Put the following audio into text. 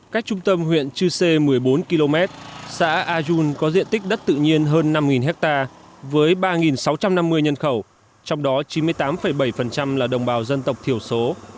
cách trung tâm huyện chư sê một mươi bốn km xã ayun có diện tích đất tự nhiên hơn năm ha với ba sáu trăm năm mươi nhân khẩu trong đó chín mươi tám bảy là đồng bào dân tộc thiểu số